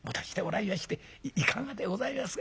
いかがでございますか」。